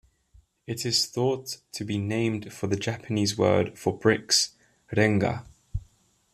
It is thought to be named for the Japanese word for bricks, "renga".